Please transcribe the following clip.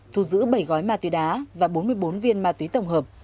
thu giữ bảy gói ma túy đá và bốn mươi bốn viên ma túy tổng hợp